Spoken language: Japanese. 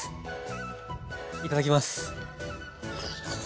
いただきます！